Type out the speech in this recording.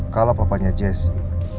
kalau bapaknya jessy